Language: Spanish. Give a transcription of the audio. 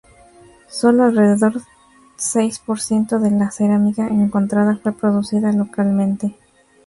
Sólo alrededor seis por ciento de la cerámica encontrada fue producida localmente.